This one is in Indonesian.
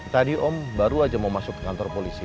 tadi om baru aja mau masuk ke kantor polisi